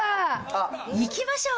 いきましょう。